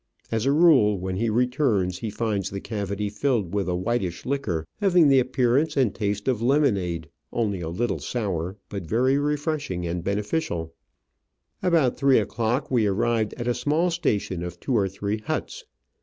As a rule, when he returns he finds the cavity filled with a whitish liquor, having the appearance and taste of lemonade, only a little sour, but very refreshing and beneficial. About three o'clock we arrived at a small station of two or three huts.